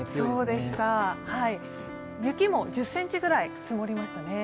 雪も１０ｃｍぐらい積もりましたね。